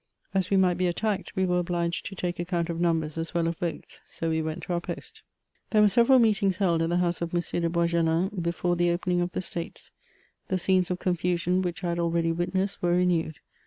As we might be attacked, we w§re obliged to take account of numbers as well as of votes ; so we went to our post. There were several meeting held at the house of M. de Bois gelin before the opening of the States. The scenes of confusion which I had already witnessed were renewed.